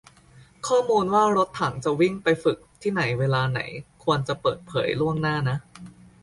ข้อมูลว่ารถถังจะวิ่งไปฝึกที่ไหนเวลาไหน ควรจะเปิดเผยล่วงหน้านะ